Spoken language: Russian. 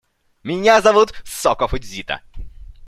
Меня зовут Соко Фудзита.